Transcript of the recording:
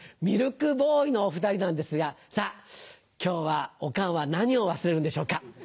ミルクボーイのお２人なんですがさぁ今日はオカンは何を忘れるんでしょうか。